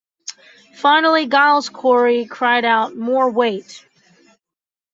Finally, Giles Corey cried out More weight!